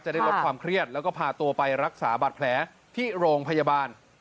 ได้ลดความเครียดแล้วก็พาตัวไปรักษาบัตรแผลที่โรงพยาบาล